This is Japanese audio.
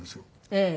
ええ。